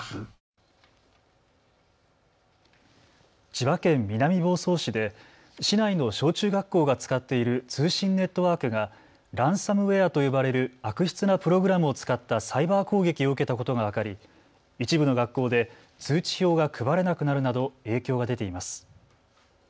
千葉県南房総市で市内の小中学校が使っている通信ネットワークがランサムウェアと呼ばれる悪質なプログラムを使ったサイバー攻撃を受けたことが分かり一部の学校で通知表が配れなくなるなど影響が出ています。